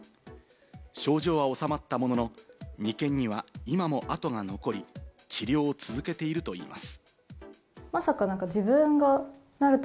症状は治まったものの、眉間には今も痕が残り、治療を続けているといいます。